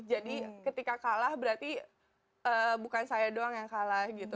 jadi ketika kalah berarti bukan saya doang yang kalah gitu